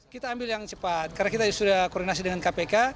kita ambil yang cepat karena kita sudah koordinasi dengan kpk